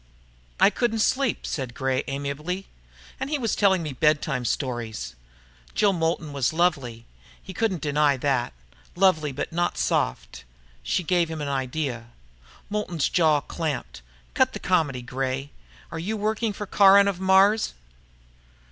"I couldn't sleep," said Gray amiably. "He was telling me bedtime stories." Jill Moulton was lovely, he couldn't deny that. Lovely, but not soft. She gave him an idea. Moulton's jaw clamped. "Cut the comedy, Gray. Are you working for Caron of Mars?"